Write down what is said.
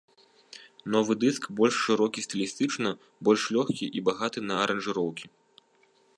Новы дыск больш шырокі стылістычна, больш лёгкі і багаты на аранжыроўкі.